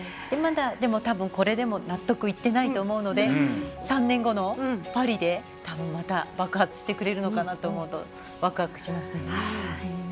たぶん、これでも納得いってないと思うので３年後のパリでたぶんまた爆発してくれるのかなと思うとワクワクします。